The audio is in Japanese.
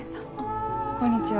こんにちは。